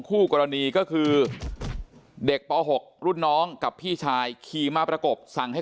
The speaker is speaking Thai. คู่กรณีก็คือเด็กป๖รุ่นน้องกับพี่ชายขี่มาประกบสั่งให้